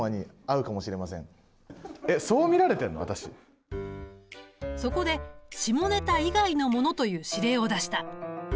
えっそこで下ネタ以外のものという指令を出した。